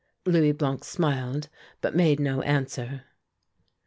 Louis Blanc smiled, but made no answer.